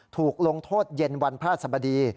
ถูกลงโทษเย็นวันพระสบดี